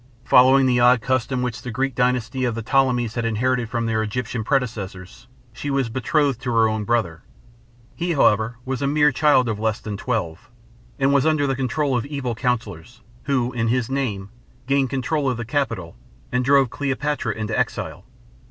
Following the odd custom which the Greek dynasty of the Ptolemies had inherited from their Egyptian predecessors, she was betrothed to her own brother. He, however, was a mere child of less than twelve, and was under the control of evil counselors, who, in his name, gained control of the capital and drove Cleopatra into exile.